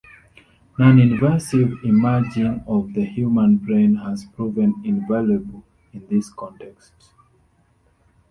Non-invasive imaging of the human brain has proven invaluable in this context.